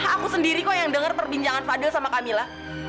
aku sendiri kok yang denger perbincangan fadil sama kamila